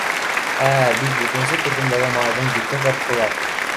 Ә бит икенсе төркөмдәге малайҙың битен ҡырҡтылар.